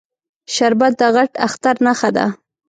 شربت د غټ اختر نښه ده